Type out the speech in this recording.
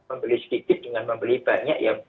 membeli sedikit dengan membeli banyak ya